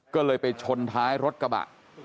ก็เลยไปชนท้ายรถกระบะ